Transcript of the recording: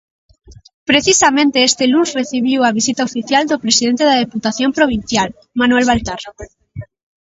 Precisamente este luns recibiu a visita oficial do presidente da Deputación Provincial, Manuel Baltar.